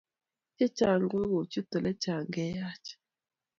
chechang che kochut ole chang cheyach